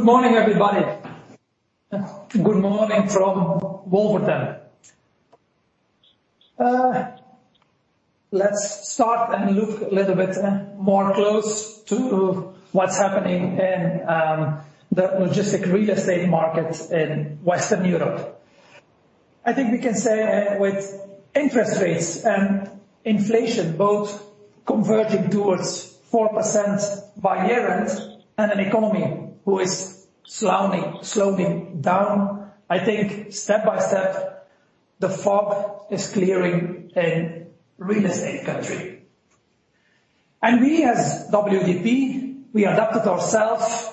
Good morning, everybody. Good morning from Wolvertem. Let's start and look a little bit more close to what's happening in the logistic real estate markets in Western Europe. I think we can say, with interest rates and inflation both converting towards 4% by year-end, and an economy who is slowing, slowing down, I think step by step, the fog is clearing in real estate country. We as WDP, we adapted ourselves,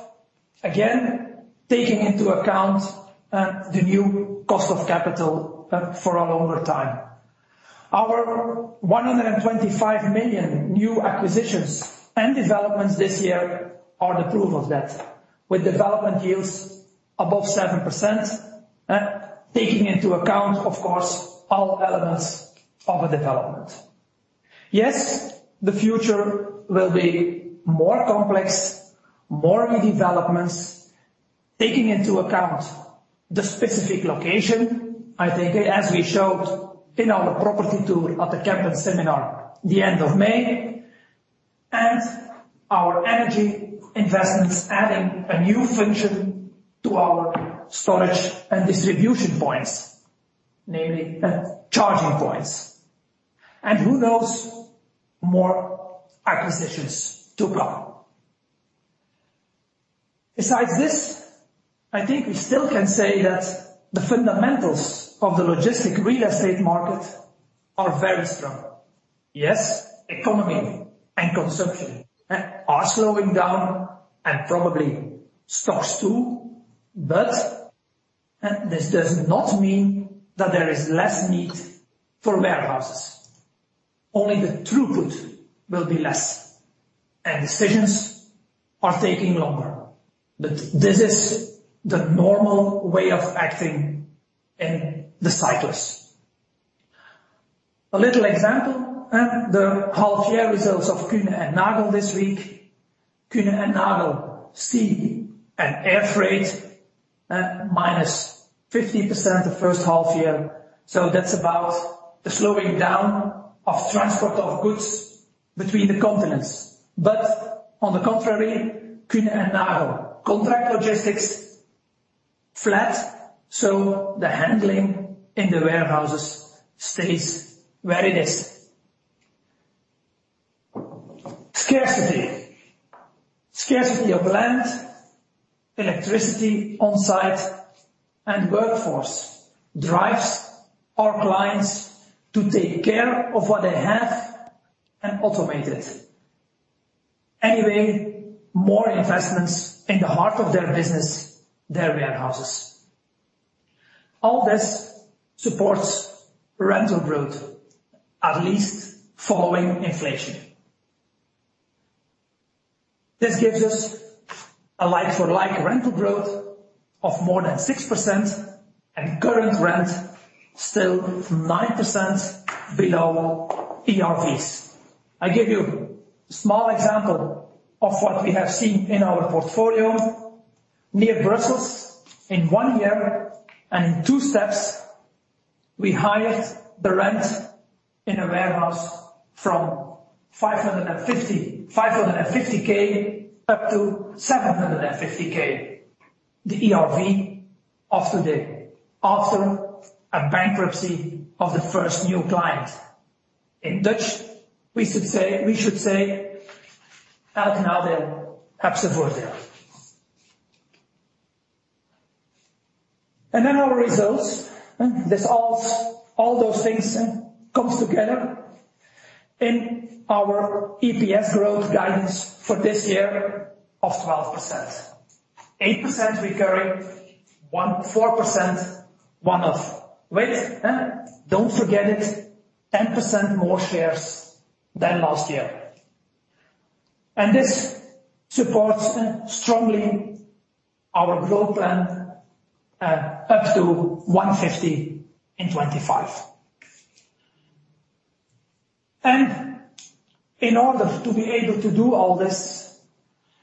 again, taking into account the new cost of capital for a longer time. Our 125 million new acquisitions and developments this year are the proof of that, with development yields above 7%, taking into account, of course, all elements of a development. Yes, the future will be more complex, more redevelopments, taking into account the specific location, I think, as we showed in our property tour at the Kempen seminar, the end of May, and our energy investments, adding a new function to our storage and distribution points, namely, charging points. Who knows, more acquisitions to come. Besides this, I think we still can say that the fundamentals of the logistic real estate market are very strong. Yes, economy and consumption are slowing down and probably stocks too, but this does not mean that there is less need for warehouses. Only the throughput will be less, and decisions are taking longer. This is the normal way of acting in the cycles. A little example, the half year results of Kuehne + Nagel this week. Kuehne + Nagel, sea and air freight, minus 50% the first half year, that's about the slowing down of transport of goods between the continents. On the contrary, Kuehne + Nagel contract logistics flat, the handling in the warehouses stays where it is. Scarcity. Scarcity of land, electricity on site, and workforce drives our clients to take care of what they have and automate it. Anyway, more investments in the heart of their business, their warehouses. All this supports rental growth, at least following inflation. This gives us a like-for-like rental growth of more than 6% and current rent still 9% below ERVs. I give you a small example of what we have seen in our portfolio. Near Brussels, in one year and in two steps, we hired the rent in a warehouse from 550,000 up to 750,000. The ERV of today, after a bankruptcy of the first new client. In Dutch, we should say, "Uit naar de absoluta." Then our results. This all those things comes together in our EPS growth guidance for this year of 12%. 8% recurring, 4% one-off. Wait, don't forget it, 10% more shares than last year. This supports strongly our growth plan up to 150 in 2025. In order to be able to do all this,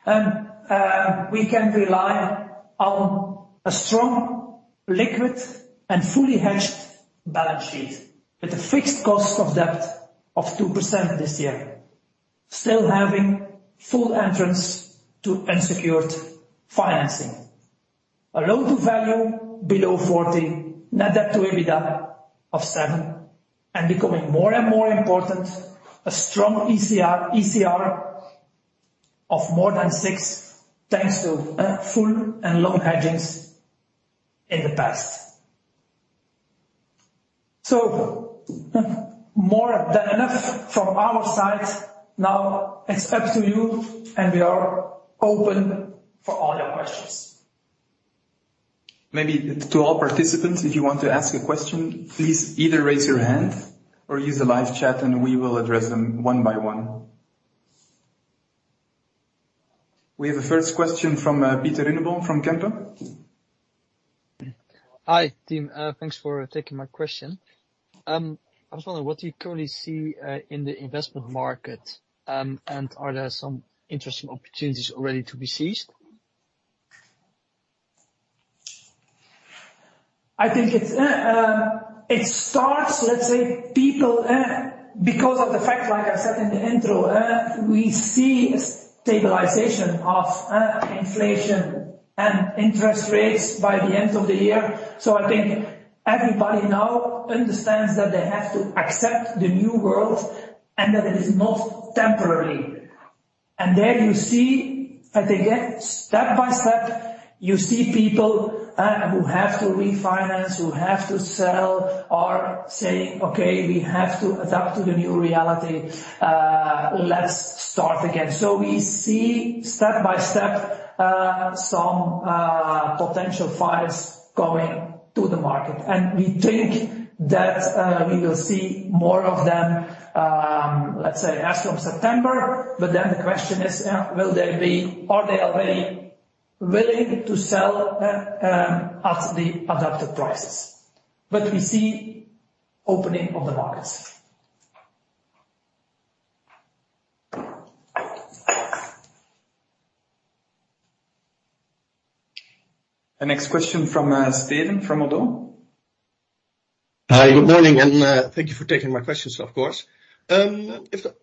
we can rely on a strong liquid and fully hedged balance sheet, with a fixed cost of debt of 2% this year, still having full entrance to unsecured financing. A loan-to-value below 40, Net debt / EBITDA of 7, and becoming more and more important, a strong ICR, ICR of more than 6, thanks to full and long hedging's in the past. More than enough from our side. Now it's up to you, and we are open for all your questions. Maybe to all participants, if you want to ask a question, please either raise your hand or use the live chat and we will address them one by one. We have a first question from Pieter Runneboom from Kempen? Hi, team. Thanks for taking my question. I was wondering, what do you currently see, in the investment market? Are there some interesting opportunities already to be seized? I think it's, it starts, let's say, people, because of the fact, like I said in the intro, we see stabilization of inflation and interest rates by the end of the year. I think everybody now understands that they have to accept the new world, and that it is not temporary. There you see, I think, step by step, you see people who have to refinance, who have to sell, are saying, "Okay, we have to adapt to the new reality. Let's start again." We see step by by step, some potential files coming to the market, and we think that we will see more of them, let's say, as from September. Then the question is, are they already willing to sell at the adapted prices? We see opening of the markets. The next question from Steven, from Oddo. Hi, good morning, thank you for taking my questions, of course. If the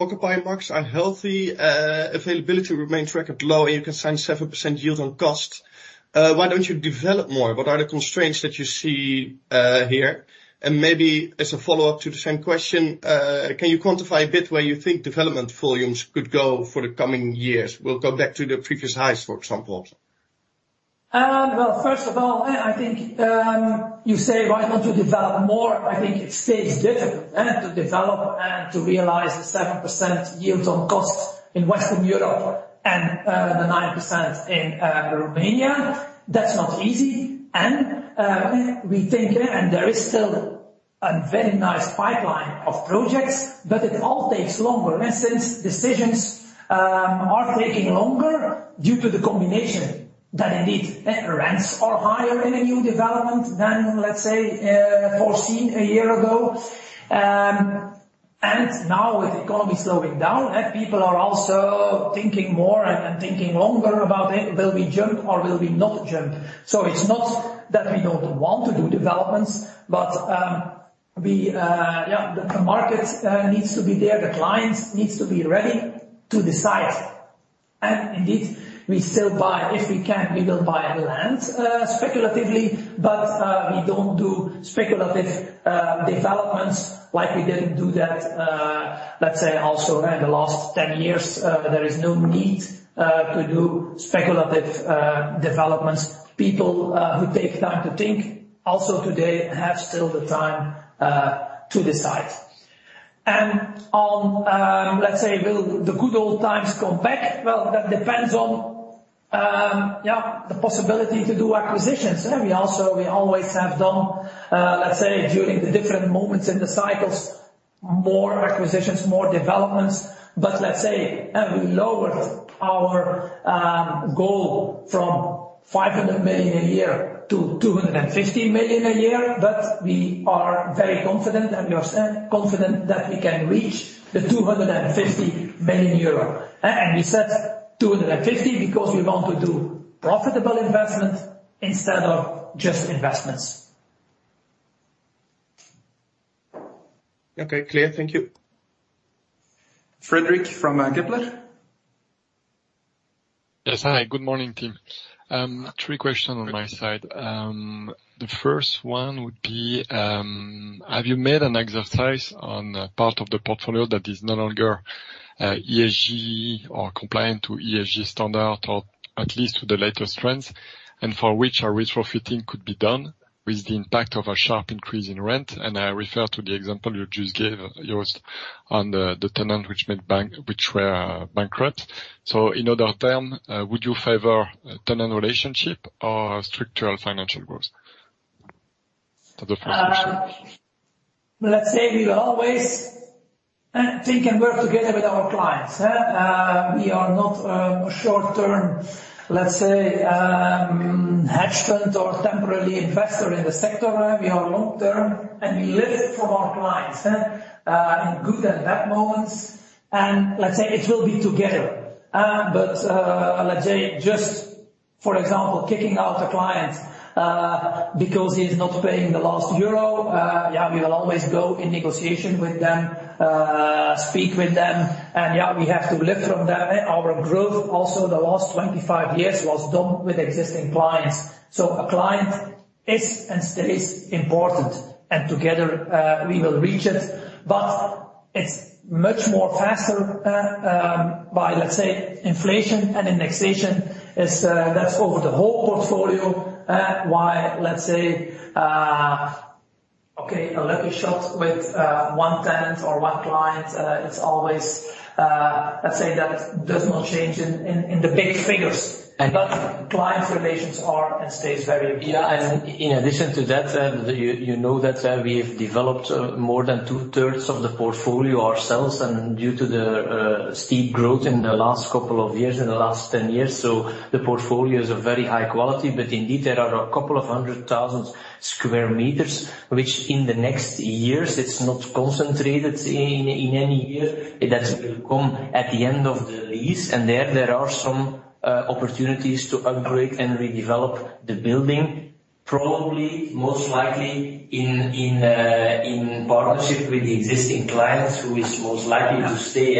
occupying markets are healthy, availability remains record low, you can sign 7% yield on cost, why don't you develop more? What are the constraints that you see here? Maybe as a follow-up to the same question, can you quantify a bit where you think development volumes could go for the coming years? We'll go back to the previous highs, for example. Well, first of all, I think, you say, why don't you develop more? I think it stays difficult to develop and to realize the 7% yield on cost in Western Europe and the 9% in Romania. That's not easy, we think and there is still a very nice pipeline of projects, but it all takes longer. Instance, decisions, are taking longer due to the combination that indeed, rents are higher in a new development than, let's say, foreseen a year ago. Now with economy slowing down, people are also thinking more and thinking longer about it. Will we jump or will we not jump? It's not that we don't want to do developments, but we, yeah, the market needs to be there, the clients needs to be ready to decide. Indeed, we still buy. If we can, we will buy land, speculatively, but we don't do speculative developments like we didn't do that, let's say also in the last 10 years, there is no need to do speculative developments. People who take time to think also today have still the time to decide. On, let's say, will the good old times come back? Well, that depends on, yeah, the possibility to do acquisitions. We also, we always have done, let's say, during the different moments in the cycles, more acquisitions, more developments. Let's say, we lowered our goal from 500 million a year to 250 million a year, but we are very confident, and we are self-confident that we can reach the 250 million euro. We said 250 because we want to do profitable investment instead of just investments. Okay, clear. Thank you. Frederick from, Kepler. Yes, hi, good morning, team. Three questions on my side. The first one would be, have you made an exercise on the part of the portfolio that is no longer ESG or compliant to ESG standard, or at least to the latest trends, and for which a retrofitting could be done with the impact of a sharp increase in rent? I refer to the example you just gave us on the, the tenant, which meant bank, which were bankrupt. In other terms, would you favor a tenant relationship or structural financial growth? That's the first question. We will always think and work together with our clients. We are not short-term hedge fund or temporarily investor in the sector. We are long-term, and we live it from our clients in good and bad moments, and it will be together. Just, for example, kicking out a client because he's not paying the last EUR, yeah, we will always go in negotiation with them, speak with them, and, yeah, we have to live from them. Our growth, also the last 25 years, was done with existing clients. A client is and stays important, and together, we will reach it. It's much more faster by, let's say, inflation and indexation is that's over the whole portfolio, while, let's say, okay, a little shot with 1 tenant or 1 client, it's always, let's say that does not change in, in, in the big figures, but clients relations are and stays very clear. Yeah. In addition to that, you know that we've developed more than 2/3 of the portfolio ourselves and due to the steep growth in the last couple of years, in the last 10 years, so the portfolio is a very high quality. Indeed, there are a couple of 100,000 square meters, which in the next years, it's not concentrated in, in any year, that will come at the end of the lease. There, there are some opportunities to upgrade and redevelop the building Probably, most likely in, in, in partnership with the existing clients, who is most likely to stay,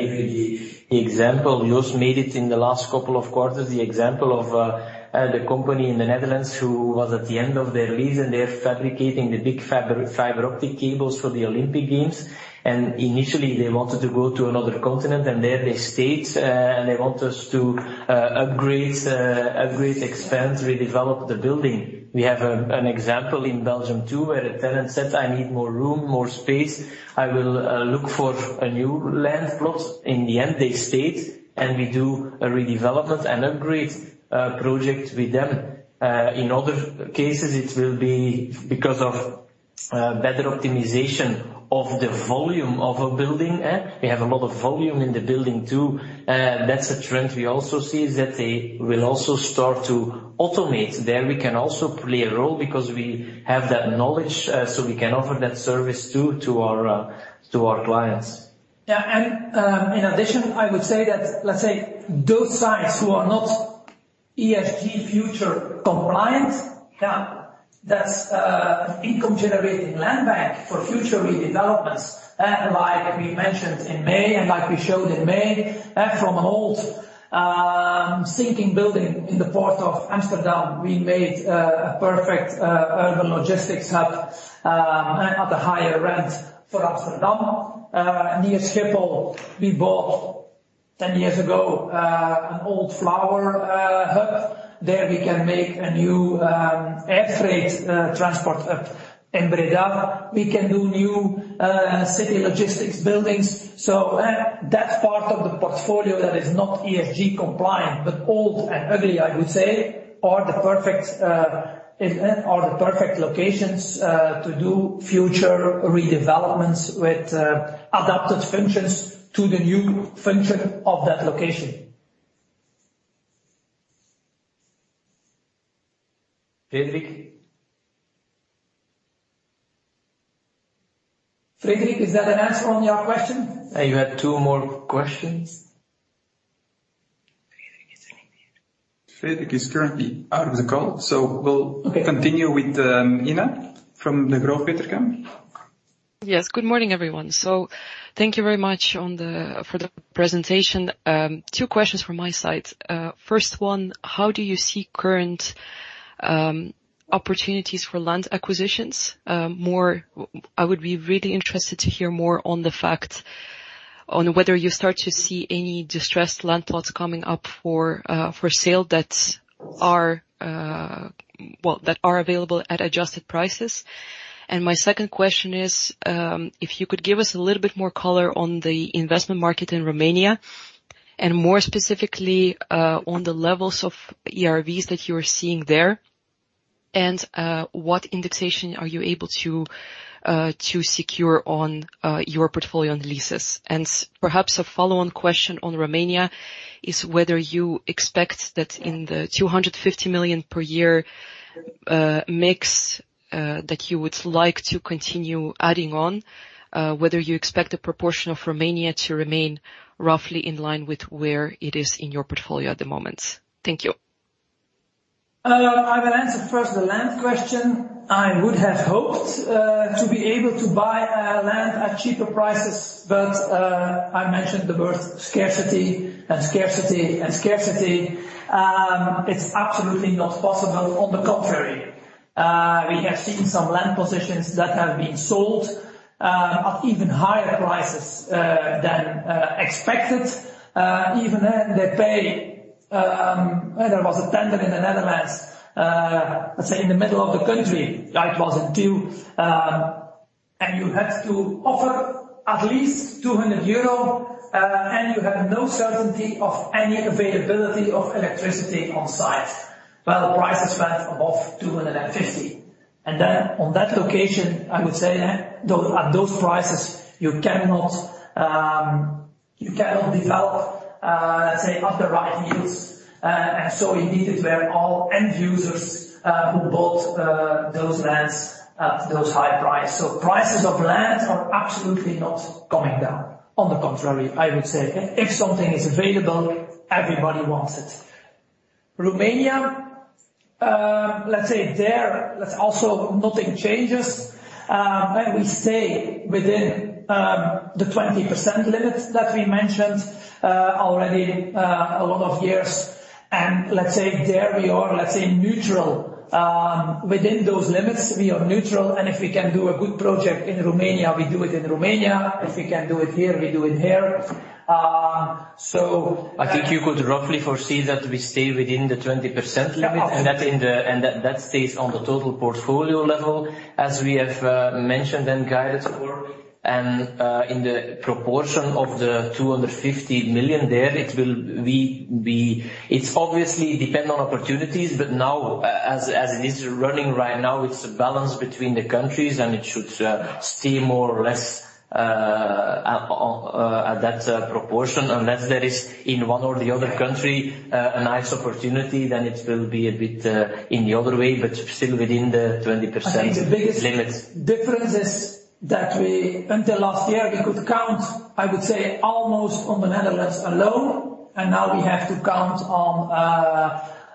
give you the example. Joost made it in the last couple of quarters, the example of the company in the Netherlands who was at the end of their lease, they're fabricating the big fiber, fiber optic cables for the Olympic Games. Initially, they wanted to go to another continent, and there they stayed, and they want us to upgrade, upgrade, expand, redevelop the building. We have a, an example in Belgium, too, where a tenant said, "I need more room, more space. I will look for a new land plot." In the end, they stayed, and we do a redevelopment and upgrade project with them. In other cases, it will be because of better optimization of the volume of a building, eh? We have a lot of volume in the building, too. That's a trend we also see, is that they will also start to automate. There we can also play a role because we have that knowledge, so we can offer that service too, to our to our clients. Yeah, in addition, I would say that, let's say those sites who are not ESG future compliant, yeah, that's income-generating land bank for future redevelopments. Like we mentioned in May, and like we showed in May, from an old, sinking building in the port of Amsterdam, we made a perfect urban logistics hub at a higher rent for Amsterdam. Near Schiphol, we bought, 10 years ago, an old flower hub. There we can make a new air freight transport hub. In Breda, we can do new city logistics buildings. That's part of the portfolio that is not ESG compliant, but old and ugly, I would say, are the perfect, are the perfect locations to do future redevelopments with adapted functions to the new function of that location. Frederick? Frederick, is that an answer on your question? You had two more questions. Frederick is currently out of the call, so we'll- Okay. continue with, Inna from the Degroof Petercam. Yes. Good morning, everyone. Thank you very much on the-- for the presentation. Two questions from my side. First one, how do you see current opportunities for land acquisitions? More. I would be really interested to hear more on the fact on whether you start to see any distressed land plots coming up for sale that are, well, that are available at adjusted prices. My second question is, if you could give us a little bit more color on the investment market in Romania, and more specifically, on the levels of ERVs that you are seeing there, and what indexation are you able to secure on your portfolio on the leases? Perhaps a follow-on question on Romania is whether you expect that in the 250 million per year mix that you would like to continue adding on, whether you expect the proportion of Romania to remain roughly in line with where it is in your portfolio at the moment. Thank you. I will answer first the land question. I would have hoped to be able to buy land at cheaper prices, but I mentioned the word scarcity and scarcity and scarcity. It's absolutely not possible. On the contrary, we have seen some land positions that have been sold at even higher prices than expected. Even then, they pay. There was a tender in the Netherlands, let's say in the middle of the country. It was a deal, and you had to offer at least 200 euro, and you had no certainty of any availability of electricity on site. Well, the prices went above 250. Then on that location, I would say, at those prices, you cannot develop, let's say, up the right yields. Indeed, it were all end users who bought those lands at those high price. Prices of land are absolutely not coming down. I would say, if something is available, everybody wants it. Romania, let's say there, let's also nothing changes. We stay within the 20% limit that we mentioned already a lot of years. Let's say there we are, let's say neutral. Within those limits, we are neutral, and if we can do a good project in Romania, we do it in Romania. If we can do it here, we do it here. I think you could roughly foresee that we stay within the 20% limit. Yeah, okay. That, that stays on the total portfolio level, as we have mentioned and guided for. In the proportion of the 250 million there, it will. It's obviously depend on opportunities, but now, as it is running right now, it's a balance between the countries, and it should stay more or less at that proportion, unless there is, in one or the other country, a nice opportunity, then it will be a bit in the other way, but still within the 20%. I think the biggest- Limit... difference is that we until last year, we could count, I would say, almost on the Netherlands alone, and now we have to count on.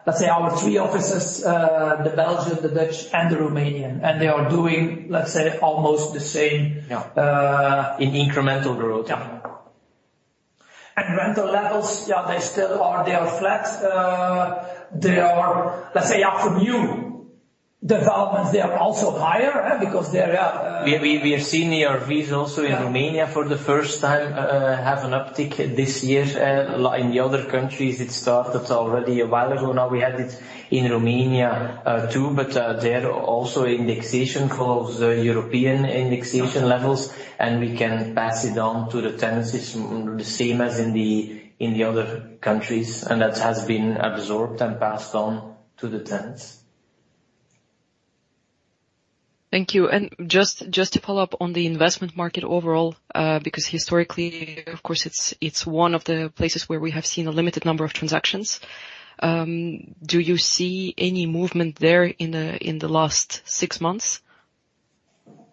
Let's say our 3 offices, the Belgian, the Dutch, and the Romanian, and they are doing, let's say, almost the same. Yeah. Uh- In incremental growth. Yeah. Rental levels, yeah, they still are-- they are flat. They are, let's say, from new developments, they are also higher, eh, because they are. We, we, we are seeing the ERVs also in Romania. Yeah for the first time, have an uptick this year. Like in the other countries, it started already a while ago now. We had it in Romania, too, but there also indexation follows European indexation levels, and we can pass it on to the tenants. It's the same as in the, in the other countries, and that has been absorbed and passed on to the tenants. Thank you. Just, just to follow up on the investment market overall, because historically, of course, it's, it's one of the places where we have seen a limited number of transactions. Do you see any movement there in the, in the last 6 months?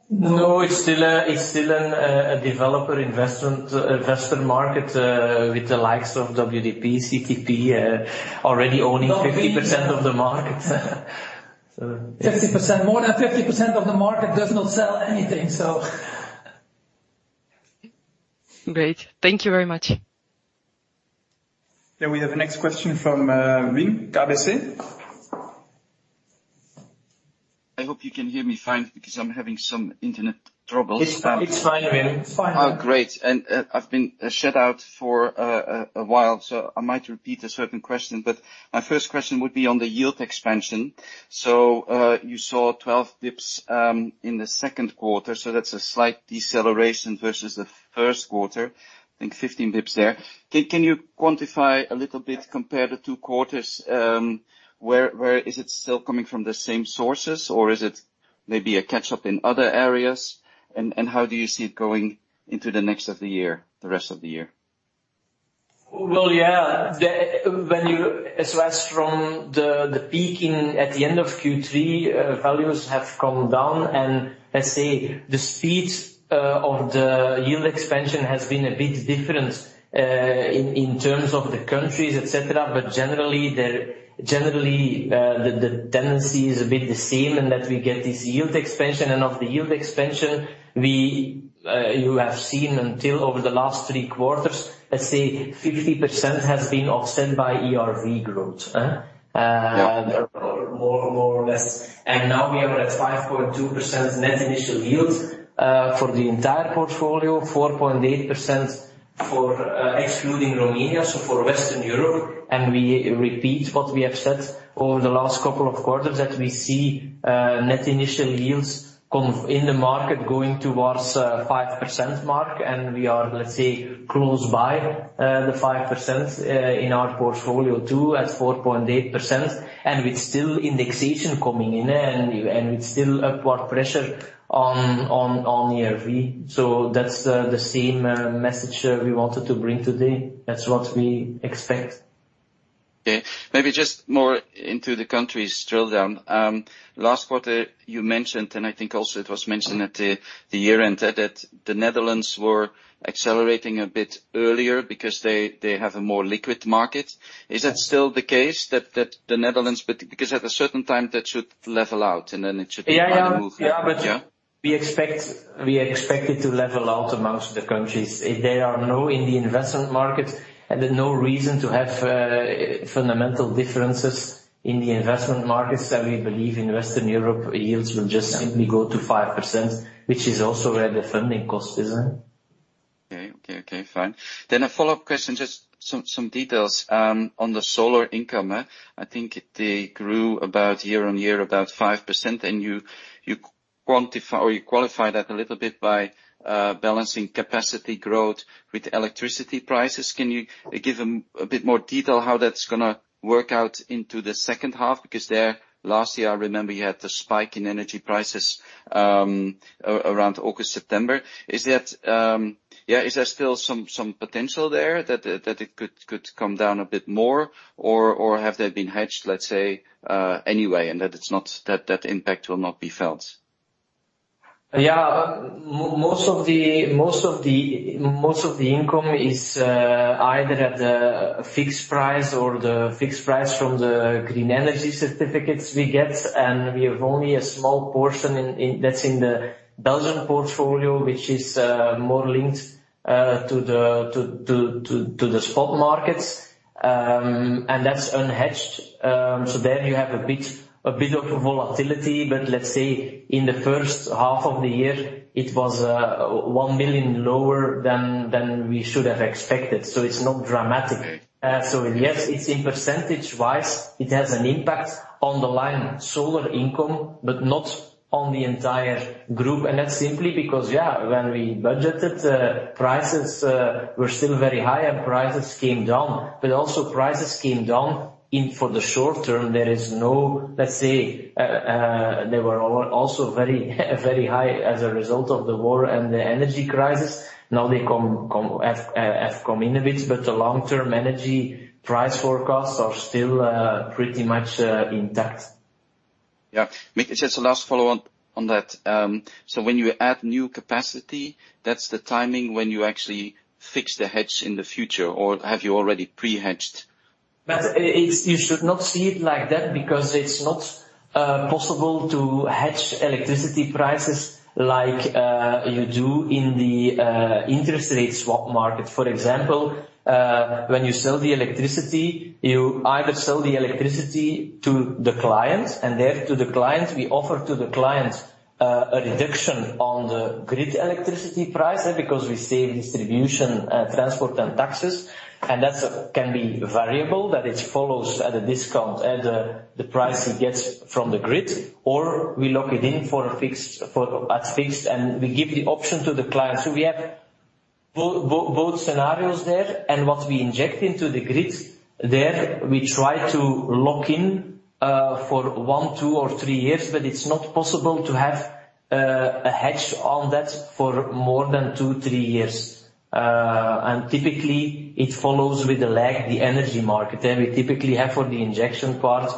No. No, it's still a, it's still an, a developer investment, investor market, with the likes of WDP, CTP, already owning 50% of the market. 50%. More than 50% of the market does not sell anything, so. Great. Thank you very much. We have the next question from Wim, KBC. I hope you can hear me fine because I'm having some internet troubles. It's, it's fine, Wim. It's fine. Oh, great. I've been shut out for a while, so I might repeat a certain question, but my first question would be on the yield expansion. You saw 12 bps in the second quarter, so that's a slight deceleration versus the first quarter. I think 15 bps there. Can you quantify a little bit, compare the two quarters? Where is it still coming from the same sources, or is it maybe a catch-up in other areas? How do you see it going into the next of the year, the rest of the year? Well, yeah. When you as well as from the peaking at the end of Q3, values have come down, and let's say, the speed of the yield expansion has been a bit different in, in terms of the countries, et cetera. Generally, generally, the tendency is a bit the same, and that we get this yield expansion, and of the yield expansion, you have seen until over the last 3 quarters, let's say 50% has been offset by ERV growth, eh? Yeah. More, more or less. Now we are at 5.2% Net Initial Yield for the entire portfolio, 4.8% for excluding Romania, so for Western Europe. We repeat what we have said over the last couple of quarters, that we see Net Initial Yields in the market going towards 5% mark, and we are, let's say, close by the 5% in our portfolio, too, at 4.8%, and with still indexation coming in, and with still upward pressure on ERVs. That's the same message we wanted to bring today. That's what we expect. Okay. Maybe just more into the countries drill down. Last quarter, you mentioned, and I think also it was mentioned at the year-end, that the Netherlands were accelerating a bit earlier because they have a more liquid market. Is that still the case, that the Netherlands, but because at a certain time, that should level out, and then it should be- Yeah, yeah- Yeah. We expect it to level out among the countries. There are no in the investment markets, there's no reason to have fundamental differences in the investment markets. We believe in Western Europe, yields will just simply go to 5%, which is also where the funding cost is in. Okay. Okay, okay, fine. A follow-up question, just some, some details on the solar income, eh? I think it grew about year-on-year, about 5%, and you, you quantify or you qualify that a little bit by balancing capacity growth with electricity prices. Can you give a bit more detail how that's gonna work out into the second half? There, last year, I remember you had the spike in energy prices, ar- around August, September. Is that, is there still some, some potential there, that the, that it could, could come down a bit more? Or have they been hedged, let's say, anyway, and that it's not, that, that impact will not be felt? Yeah. Most of the, most of the, most of the income is either at the fixed price or the fixed price from the Green Energy Certificates we get, and we have only a small portion in that's in the Belgian portfolio, which is more linked to the spot markets. That's unhedged, so there you have a bit, a bit of volatility. Let's say, in the first half of the year, it was 1 million lower than we should have expected, so it's not dramatic. Yes, it's in percentage-wise, it has an impact on the line solar income, but not on the entire group. That's simply because, yeah, when we budgeted, prices were still very high and prices came down, but also prices came down for the short term, there is no... Let's say, they were also very, very high as a result of the war and the energy crisis. Now, they have come in a bit, but the long-term energy price forecasts are still pretty much intact. ... Yeah. Just a last follow-up on that. When you add new capacity, that's the timing when you actually fix the hedge in the future, or have you already pre-hedged? You should not see it like that, because it's not possible to hedge electricity prices like you do in the interest rate swap market. For example, when you sell the electricity, you either sell the electricity to the client, and therefore to the client, we offer to the client a reduction on the grid electricity price, because we save distribution, transport, and taxes, and that's can be variable, that it follows at a discount and the price he gets from the grid, or we lock it in for a fixed, at fixed, and we give the option to the client. We have both scenarios there, and what we inject into the grid, there, we try to lock in for 1, 2, or 3 years, but it's not possible to have a hedge on that for more than 2, 3 years. Typically it follows with a lag, the energy market. We typically have for the injection part,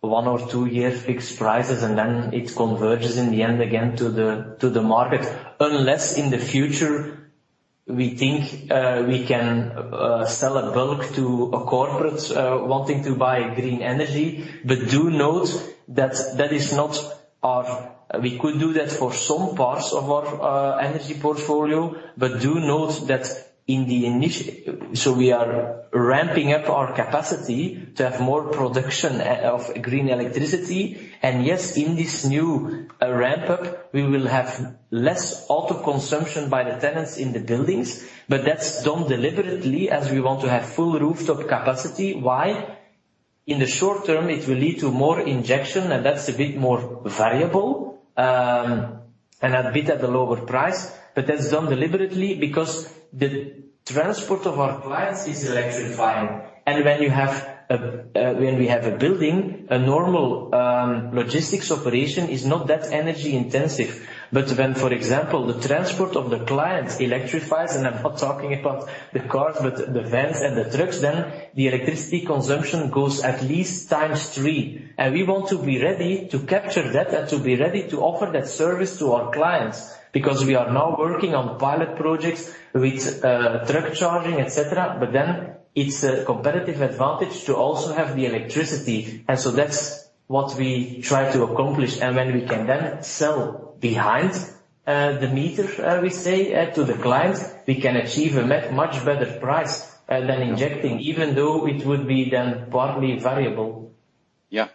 1 or 2 years fixed prices, and then it converges in the end, again, to the market. Unless in the future, we think, we can sell a bulk to a corporate wanting to buy green energy. Do note that that is not our... We could do that for some parts of our energy portfolio, but do note that so we are ramping up our capacity to have more production of green electricity. Yes, in this new ramp-up, we will have less auto-consumption by the tenants in the buildings, but that's done deliberately as we want to have full rooftop capacity. Why? In the short term, it will lead to more injection, and that's a bit more variable, and a bit at a lower price, but that's done deliberately because the transport of our clients is electrifying. When you have a, when we have a building, a normal logistics operation is not that energy intensive. When, for example, the transport of the client electrifies, and I'm not talking about the cars, but the vans and the trucks, then the electricity consumption goes at least 3 times. We want to be ready to capture that and to be ready to offer that service to our clients, because we are now working on pilot projects with truck charging, et cetera. Then it's a competitive advantage to also have the electricity. That's what we try to accomplish. When we can then sell behind the meter, we say to the client, we can achieve a much better price than injecting, even though it would be then partly variable. Yeah.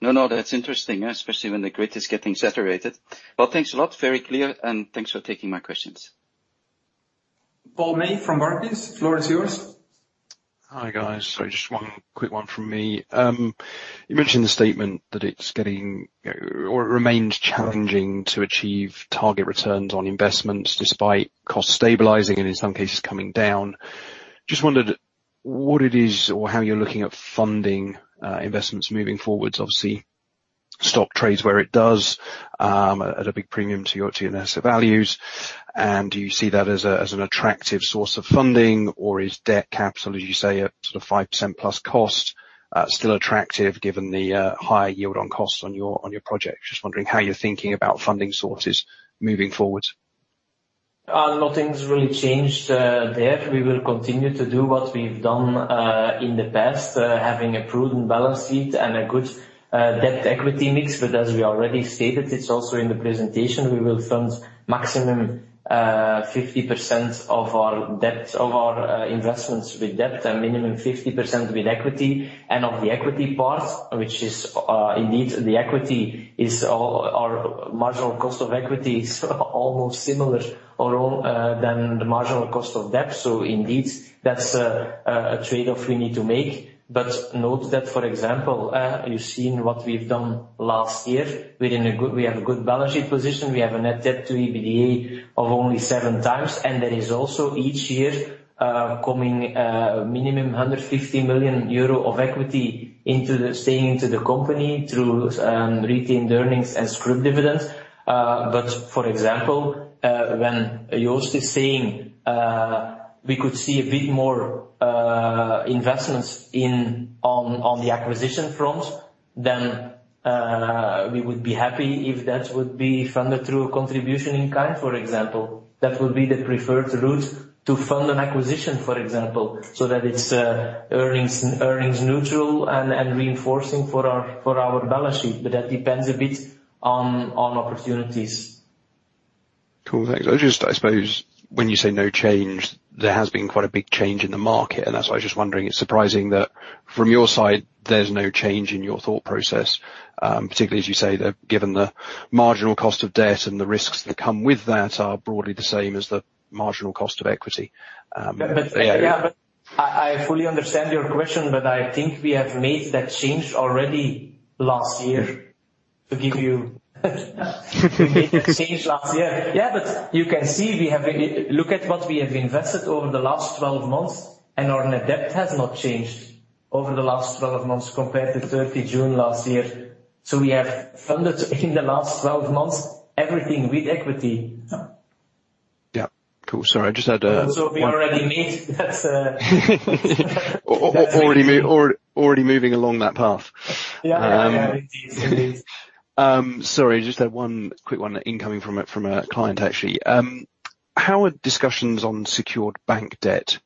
No, no, that's interesting, especially when the grid is getting saturated. Well, thanks a lot. Very clear, and thanks for taking my questions. Paul May from Barclays, floor is yours. Hi, guys. Sorry, just 1 quick 1 from me. You mentioned the statement that it's getting or it remains challenging to achieve target returns on investments despite costs stabilizing and in some cases coming down. Just wondered what it is or how you're looking at funding investments moving forwards. Obviously, stock trades where it does, at a big premium to your EPRA NTA values, and you see that as a, as an attractive source of funding, or is debt capital, as you say, a sort of 5% plus cost still attractive given the high yield on costs on your, on your project? Just wondering how you're thinking about funding sources moving forward. Nothing's really changed there. We will continue to do what we've done in the past, having a prudent balance sheet and a good debt-equity mix. As we already stated, it's also in the presentation, we will fund maximum 50% of our debt, of our investments with debt and minimum 50% with equity. Of the equity part, which is indeed, the equity is all, our marginal cost of equity is almost similar or all than the marginal cost of debt. Indeed, that's a trade-off we need to make. Note that, for example, you've seen what we've done last year. We're in a good balance sheet position. We have a net debt to EBITDA of only 7 times, and there is also each year coming minimum 150 million euro of equity staying into the company through retained earnings and scrip dividends. For example, when Joost is saying, we could see a bit more investments in, on, on the acquisition front, then we would be happy if that would be funded through a contribution in kind, for example. That would be the preferred route to fund an acquisition, for example, so that it's earnings, earnings neutral and reinforcing for our, for our balance sheet, but that depends a bit on, on opportunities. Cool, thanks. I just, I suppose when you say no change, there has been quite a big change in the market, and that's why I was just wondering, it's surprising that from your side, there's no change in your thought process, particularly as you say, given the marginal cost of debt and the risks that come with that are broadly the same as the marginal cost of equity, yeah. I, I fully understand your question, but I think we have made that change already last year. We made that change last year. You can see we have. Look at what we have invested over the last 12 months, and our net debt has not changed over the last 12 months compared to 30 June last year. We have funded in the last 12 months, everything with equity. Yeah. Yeah. Cool. Sorry, I just had a- We already meet. already already moving along that path. Yeah, yeah, indeed. Sorry, I just had one quick one incoming from a, from a client, actually. How are discussions on secured bank debt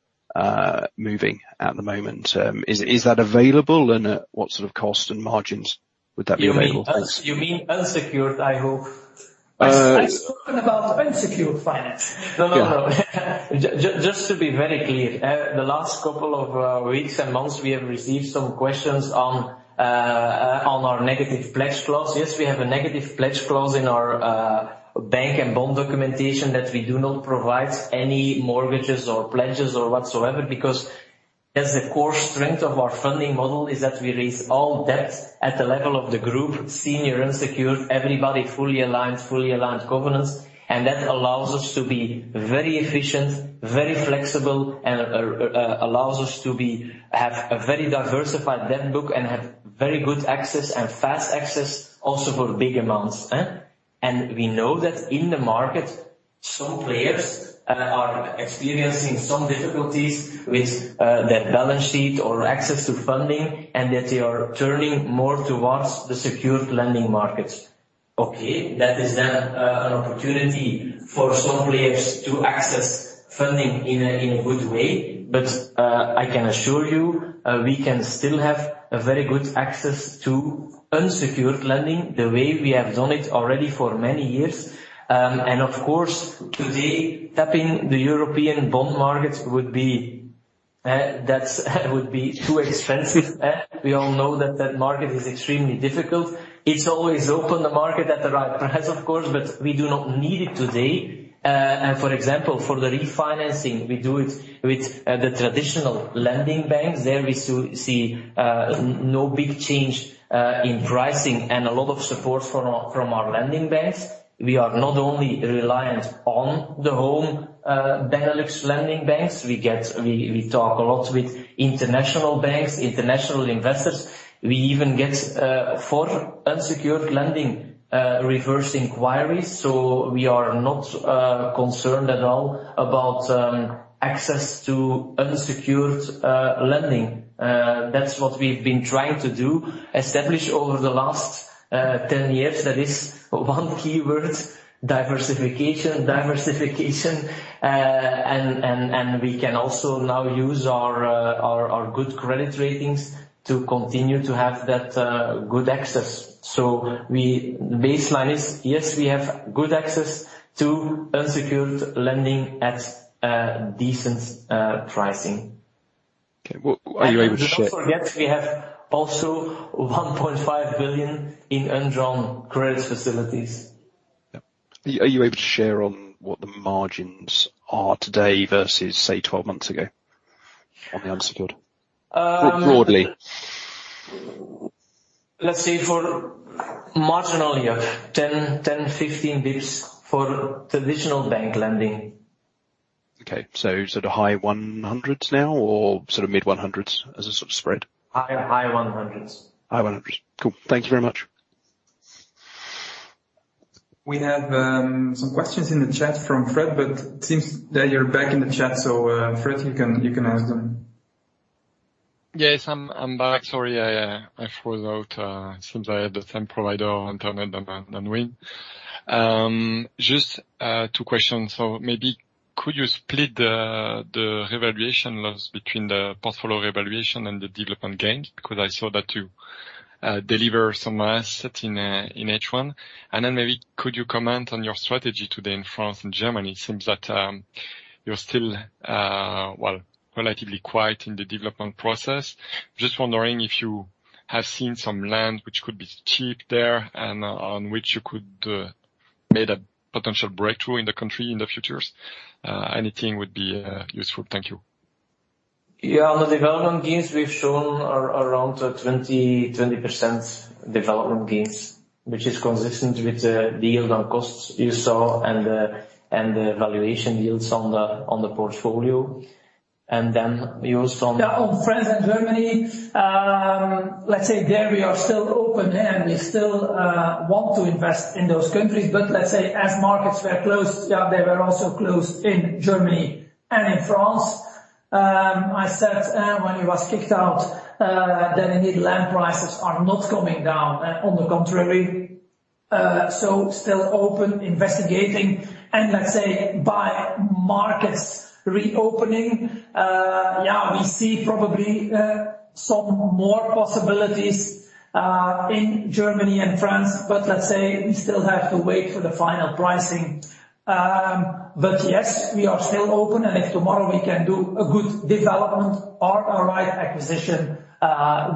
moving at the moment? Is that available, and what sort of cost and margins would that be available? You mean you mean unsecured, I hope. Uh- I've spoken about unsecured finance. No, no, no. Just to be very clear, the last couple of weeks and months, we have received some questions on our negative pledge clause. Yes, we have a negative pledge clause in our bank and bond documentation, that we do not provide any mortgages or pledges or whatsoever, because that's the core strength of our funding model, is that we raise all debt at the level of the group, senior, unsecured, everybody fully aligned, fully aligned governance. That allows us to be very efficient, very flexible, and allows us to be, have a very diversified debt book, and have very good access and fast access, also for big amounts, eh? We know that in the market, some players are experiencing some difficulties with their balance sheet or access to funding, and that they are turning more towards the secured lending market. That is then an opportunity for some players to access funding in a good way, but I can assure you, we can still have a very good access to unsecured lending, the way we have done it already for many years. Of course, today, tapping the European bond markets would be too expensive. We all know that that market is extremely difficult. It's always open, the market, at the right price, of course, but we do not need it today. For example, for the refinancing, we do it with the traditional lending banks. There, we so see no big change in pricing and a lot of support from our, from our lending banks. We are not only reliant on the home, Benelux lending banks. We, we talk a lot with international banks, international investors. We even get for unsecured lending, reverse inquiries, so we are not concerned at all about access to unsecured lending. That's what we've been trying to do, establish over the last 10 years. That is one keyword: diversification. Diversification. We can also now use our, our, our good credit ratings to continue to have that good access. The baseline is, yes, we have good access to unsecured lending at a decent pricing. Okay. Well, are you able to share- Don't forget, we have also 1.5 billion in undrawn credit facilities. Yeah. Are you able to share on what the margins are today versus, say, 12 months ago on the unsecured? Um- Broadly. Let's say for marginal, yeah, 10, 10, 15 bps for traditional bank lending. Okay. sort of high one hundreds now or sort of mid one hundreds as a sort of spread? High, high 100s. High 100s. Cool. Thank you very much. We have some questions in the chat from Fred. It seems that you're back in the chat. Fred, you can, you can ask them. Yes, I'm, I'm back. Sorry, I, I froze out. Since I had the same provider on internet and, and, and Win. Just 2 questions. Maybe could you split the revaluation loss between the portfolio revaluation and the development gain? Because I saw that you deliver some asset in H1. Maybe could you comment on your strategy today in France and Germany? It seems that you're still, well, relatively quiet in the development process. Just wondering if you have seen some land which could be cheap there, and on which you could make a potential breakthrough in the country in the futures. Anything would be useful. Thank you. Yeah, on the development gains, we've shown around 20, 20% development gains, which is consistent with the yield on cost you saw and the, and the valuation yields on the, on the portfolio. We also- On France and Germany, let's say there we are still open, and we still want to invest in those countries, let's say, as markets were closed, yeah, they were also closed in Germany and in France. I said, when he was kicked out, that indeed, land prices are not coming down, on the contrary. Still open, investigating, and let's say by markets reopening, yeah, we see probably some more possibilities in Germany and France, let's say we still have to wait for the final pricing. Yes, we are still open, and if tomorrow we can do a good development or a right acquisition,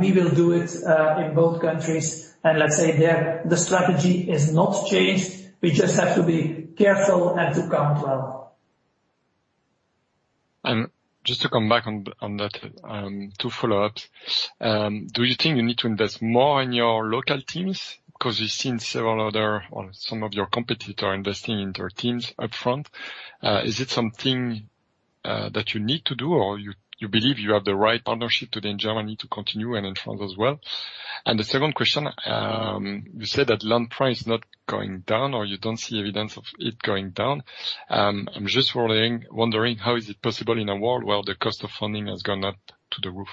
we will do it in both countries. Let's say there, the strategy is not changed. We just have to be careful and to count well. Just to come back on the, on that, 2 follow-ups. Do you think you need to invest more in your local teams? 'Cause we've seen several other or some of your competitor investing into their teams upfront. Is it something that you need to do, or you, you believe you have the right partnership today in Germany to continue and in France as well? The second question, you said that land price is not going down, or you don't see evidence of it going down. I'm just wondering, wondering how is it possible in a world where the cost of funding has gone up to the roof?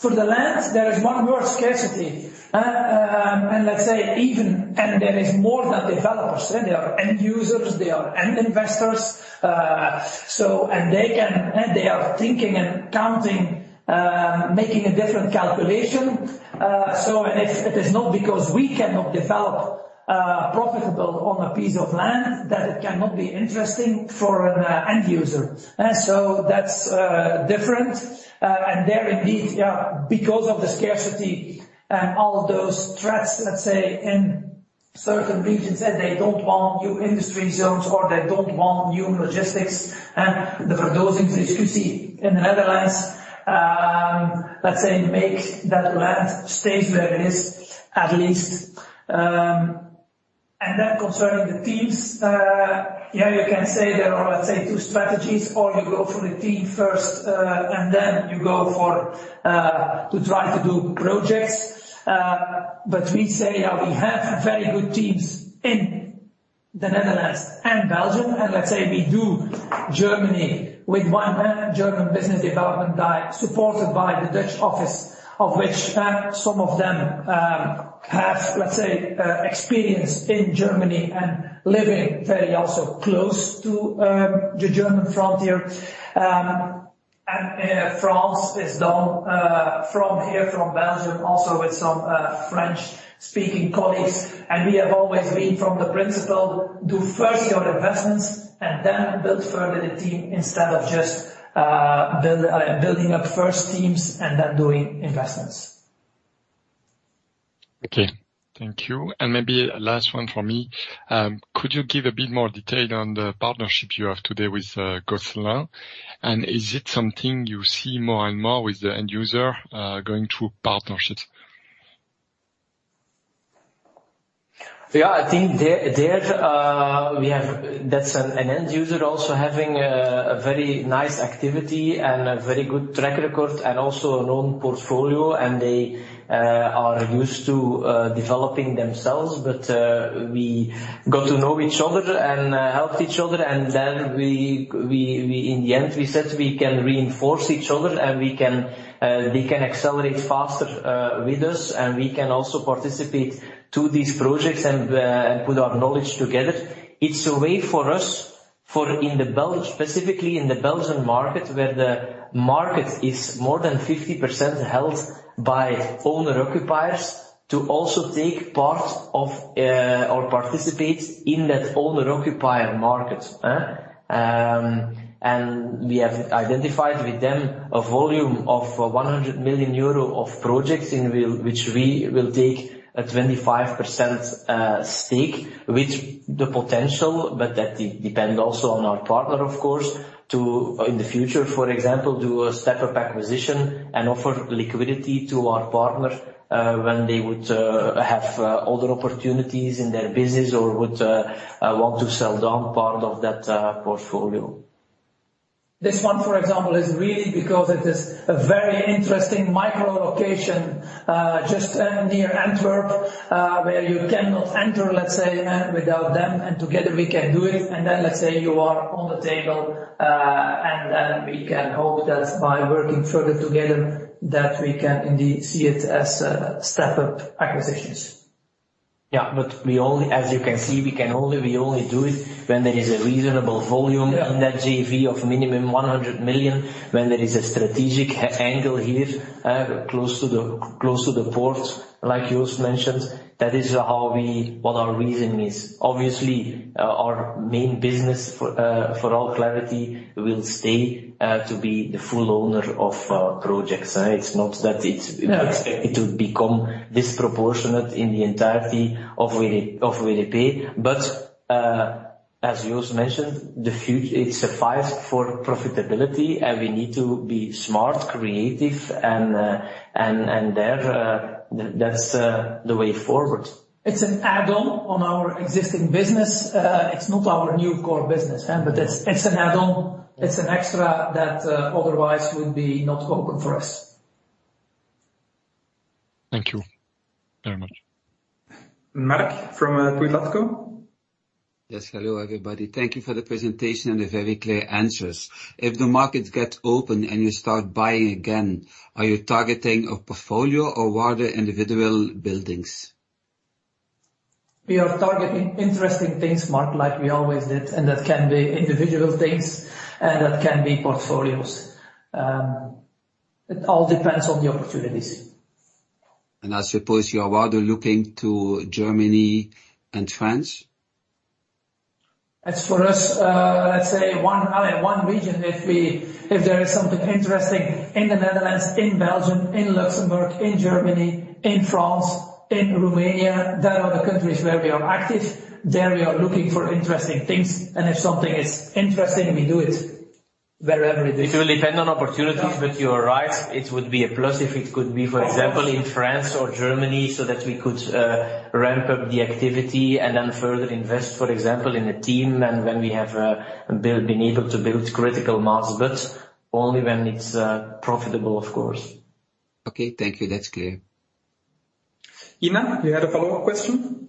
For the lands, there is 1 word, scarcity. Let's say even-- and there is more than developers, and there are end users, there are end investors. They can- and they are thinking and counting, making a different calculation. If it is not because we cannot develop, profitable on a piece of land, that it cannot be interesting for an end user. That's different. There, indeed, yeah, because of the scarcity and all those threats, let's say, in certain regions, that they don't want new industry zones, or they don't want new logistics, and there are those things that you could see in the Netherlands. Let's say, make that land stays where it is, at least. Concerning the teams, yeah, you can say there are 2 strategies or you go for the team first, and then you go for to try to do projects. We say, we have very good teams in the Netherlands and Belgium, we do Germany with 1 German business development guy, supported by the Dutch office, of which some of them have experience in Germany and living very also close to the German frontier. France is done from here, from Belgium, also with some French-speaking colleagues. We have always been from the principle, do first your investments and then build further the team, instead of just build building up first teams and then doing investments. Okay, thank you. Maybe last one for me. Could you give a bit more detail on the partnership you have today with Gosselin? Is it something you see more and more with the end user going through partnerships? I think there, there, that's an end user also having a very nice activity and a very good track record and also a known portfolio, and they are used to developing themselves. We got to know each other and helped each other. Then in the end, we said, we can reinforce each other, and we can, they can accelerate faster with us, and we can also participate to these projects and put our knowledge together. It's a way for us, specifically in the Belgian market, where the market is more than 50% held by owner-occupiers, to also take part of or participate in that owner-occupier market. We have identified with them a volume of 100 million euro of projects, in which we will take a 25% stake with the potential, but that depend also on our partner, of course, to, in the future, for example, do a step-up acquisition and offer liquidity to our partner, when they would have other opportunities in their business or would want to sell down part of that portfolio. This one, for example, is really because it is a very interesting micro location, just near Antwerp, where you cannot enter, let's say, without them, together we can do it. Then let's say you are on the table, then we can hope that by working further together, that we can indeed see it as step-up acquisitions. Yeah, we only as you can see we can only, we only do it when there is a reasonable volume- Yeah. in that JV of minimum 100 million, when there is a strategic, angle here, close to the, close to the port, like Joost mentioned, that is how we-- what our reason is. Obviously, our main business for, for all clarity, will stay, to be the full owner of, projects. It's not that it's- Yeah. expect it to become disproportionate in the entirety of WDP, but, as Joost mentioned, it's suffice for profitability, and we need to be smart, creative, and, and there, that's the way forward. It's an add-on on our existing business. It's not our new core business, but it's, it's an add-on. Yeah. It's an extra that otherwise would be not open for us. Thank you very much. Mark, from Kempen & Co.? Yes, hello, everybody. Thank you for the presentation and the very clear answers. If the market gets open and you start buying again, are you targeting a portfolio or rather individual buildings? We are targeting interesting things, Mark, like we always did, and that can be individual things, and that can be portfolios. It all depends on the opportunities. I suppose you are rather looking to Germany and France? As for us, let's say one, one region, if there is something interesting in the Netherlands, in Belgium, in Luxembourg, in Germany, in France, in Romania, there are the countries where we are active. There we are looking for interesting things, and if something is interesting, we do it. wherever it is. It will depend on opportunity, but you are right, it would be a plus if it could be, for example, in France or Germany, so that we could ramp up the activity and then further invest, for example, in a team, and when we have been able to build critical mass, but only when it's profitable, of course. Okay, thank you. That's clear. Inna, you had a follow-up question?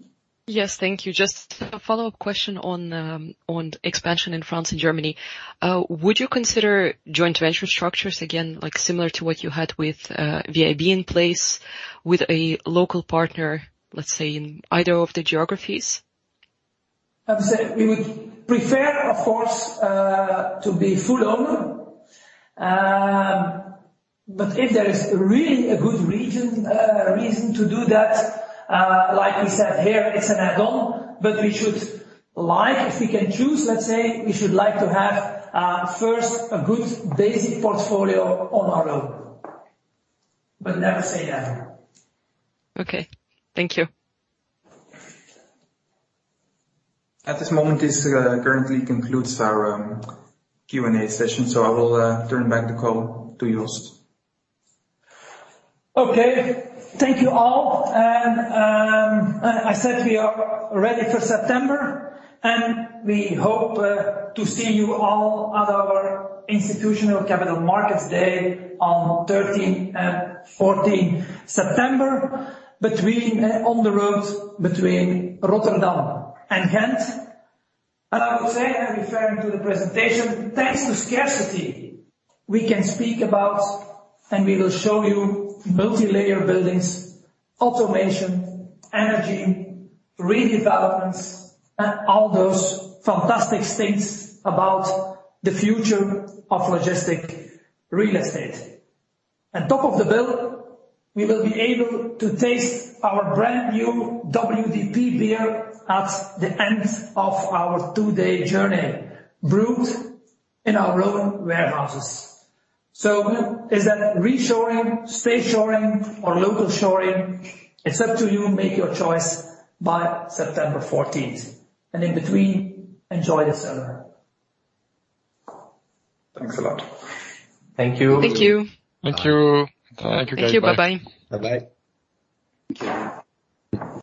Yes. Thank you. Just a follow-up question on, on expansion in France and Germany. Would you consider joint venture structures again, like, similar to what you had with VIB in place with a local partner, let's say, in either of the geographies? I would say we would prefer, of course, to be full owner. If there is really a good region, reason to do that, like we said, here, it's an add-on, but we should like, if we can choose, let's say, we should like to have, first, a good basic portfolio on our own. Never say never. Okay, thank you. At this moment, this, currently concludes our Q&A session, so I will turn back the call to Joost. Okay. Thank you, all. I said we are ready for September, and we hope to see you all at our Institutional Capital Markets Day on thirteenth and fourteenth September, on the road between Rotterdam and Ghent. I would say, I'm referring to the presentation, thanks to scarcity, we can speak about, and we will show you multilayer buildings, automation, energy, redevelopments, and all those fantastic things about the future of logistic real estate. Top of the bill, we will be able to taste our brand new WDP beer at the end of our two-day journey, brewed in our own warehouses. Is that reshoring, stay-shoring, or local shoring? It's up to you, make your choice by September fourteenth, and in between, enjoy the summer. Thanks a lot. Thank you. Thank you. Thank you. Thank you, guys. Bye. Thank you. Bye-bye. Bye-bye. Thank you.